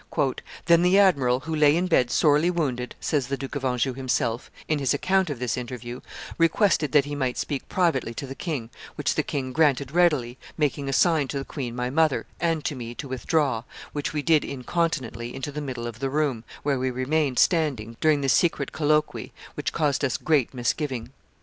"Then the admiral, who lay in bed sorely wounded," says the Duke of Anjou himself, in his account of this interview, "requested that he might speak privately to the king, which the king granted readily, making a sign to the queen my mother, and to me, to withdraw, which we did incontinently into the middle of the room, where we remained standing during this secret colloquy, which caused us great misgiving.